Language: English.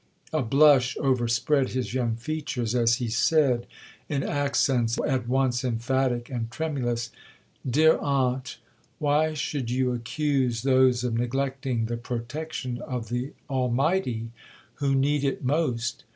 A blush overspread his young features, as he said, in accents at once emphatic and tremulous, 'Dear Aunt, why should you accuse those of neglecting the protection of the Almighty who need it most.